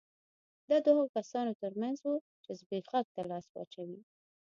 دا د هغو کسانو ترمنځ وو چې زبېښاک ته لاس واچوي